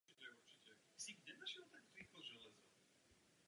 Momentálně je starostou Burgos za Partido Popular a senátorem za Burgos.